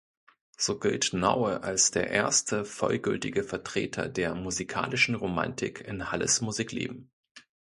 So gilt Naue als der „erste vollgültige Vertreter der musikalischen Romantik in Halles Musikleben“.